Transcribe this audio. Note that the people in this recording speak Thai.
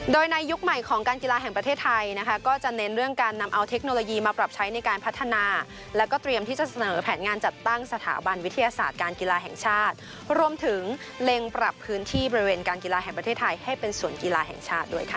โดยในยุคใหม่ของการกีฬาแห่งประเทศไทยนะคะก็จะเน้นเรื่องการนำเอาเทคโนโลยีมาปรับใช้ในการพัฒนาแล้วก็เตรียมที่จะเสนอแผนงานจัดตั้งสถาบันวิทยาศาสตร์การกีฬาแห่งชาติรวมถึงเล็งปรับพื้นที่บริเวณการกีฬาแห่งประเทศไทยให้เป็นสวนกีฬาแห่งชาติด้วยค่ะ